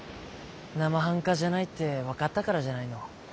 なまはんかじゃないって分かったからじゃないの。